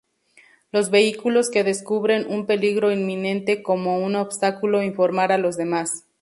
Los vehículos que descubren un peligro inminente, como un obstáculo informar a los demás.